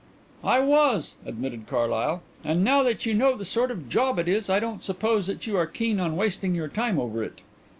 "I was," admitted Carlyle. "And now that you know the sort of job it is I don't suppose that you are keen on wasting your time over it."